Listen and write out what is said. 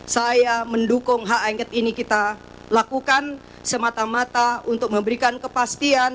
saya mendukung hak angket ini kita lakukan semata mata untuk memberikan kepastian